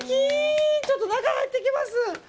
ちょっと中入っていきます。